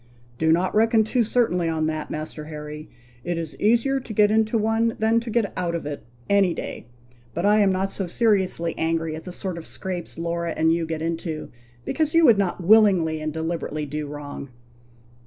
"Do not reckon too certainly on that, Master Harry; it is easier to get into one than to get out of it, any day; but I am not so seriously angry at the sort of scrapes Laura and you get into, because you would not willingly and deliberately do wrong.